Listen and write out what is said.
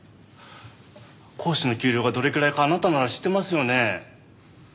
講師の給料がどれくらいかあなたなら知ってますよね？